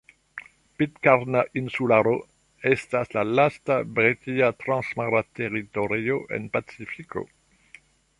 Pitkarna Insularo estas la lasta britia transmara teritorio en Pacifiko.